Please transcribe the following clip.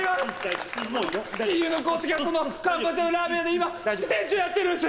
親友の康介はその環八のラーメン屋で今副店長をやってるんす！